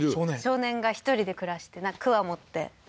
少年が１人で暮らしてなんかくわ持ってえっ？